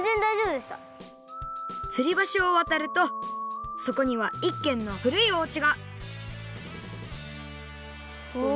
つりばしをわたるとそこにはいっけんのふるいおうちがお。